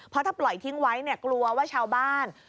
เพราะถ้าปล่อยทิ้งไว้เนี่ยกลัวว่าชาวบ้าน